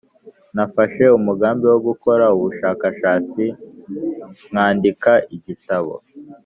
nafashe umugambi wo gukora ubushakashatsi nkandika igitabo.”